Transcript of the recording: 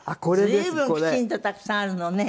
随分きちんとたくさんあるのね。